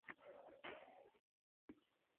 Boʻpti, senga yordam beraman